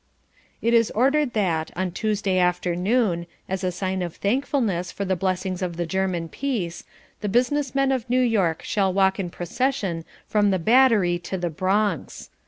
It is ordered that, on Tuesday afternoon, as a sign of thankfulness for the blessings of the German peace, the business men of New York shall walk in procession from the Battery to the Bronx.